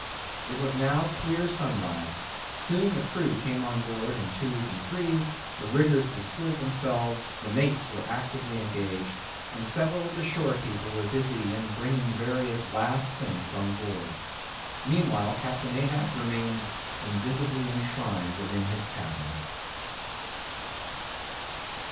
It was now clear sunrise. Soon the crew came on board in twos and threes; the riggers bestirred themselves; the mates were actively engaged; and several of the shore people were busy in bringing various last things on board. Meanwhile Captain Ahab remained invisibly enshrined within his cabin.